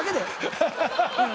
ハハハハ！